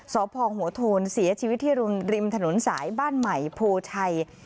สพหัวโทนเสียชีวิตที่ริมถนนสายบ้านใหม่โพชัย